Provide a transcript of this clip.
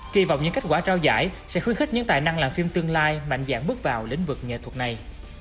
kỳ vọng những kết quả trao giải sẽ khuyến khích những tài năng làm phim tương lai mạnh dạng bước vào lĩnh vực nghệ thuật này